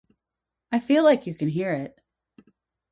I feel like you can hear it.